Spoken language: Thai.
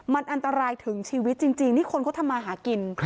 มันอันตรายถึงชีวิตจริงนี่คนเขาทำมาหากิน